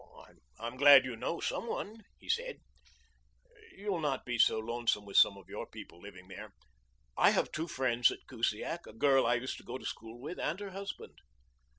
"I'm glad you know some one," he said. "You'll not be so lonesome with some of your people living there. I have two friends at Kusiak a girl I used to go to school with and her husband."